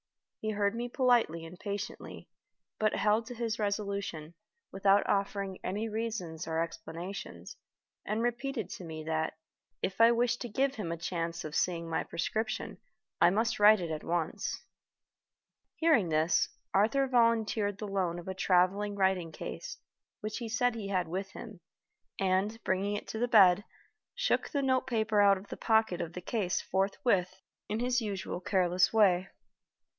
He heard me politely and patiently, but held to his resolution, without offering any reasons or explanations, and repeated to me that, if I wished to give him a chance of seeing my prescription, I must write it at once. Hearing this, Arthur volunteered the loan of a traveling writing case, which he said he had with him, and, bringing it to the bed, shook the note paper out of the pocket of the case forthwith in his usual careless way.